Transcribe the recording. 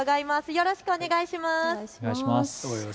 よろしくお願いします。